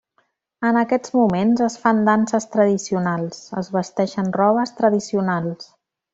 En aquests moments es fan danses tradicionals, es vesteixen robes tradicionals.